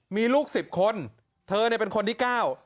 มีลูกสิบคนเธอเนี่ยเป็นคนที่เก้า